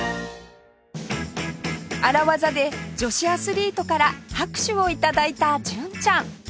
荒業で女子アスリートから拍手を頂いた純ちゃん